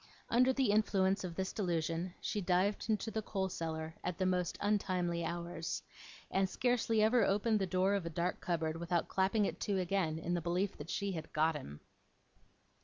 Under the influence of this delusion, she dived into the coal cellar at the most untimely hours, and scarcely ever opened the door of a dark cupboard without clapping it to again, in the belief that she had got him.